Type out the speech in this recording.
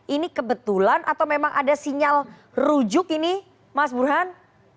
ini kebetulan atau memang ada sinyal rujuk ini mas burhan